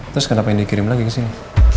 terus kenapa ingin dikirim lagi ke sini